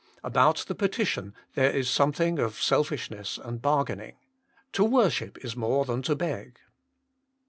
About the petition there is something of selfishness and bargaining to worship is more than to beg.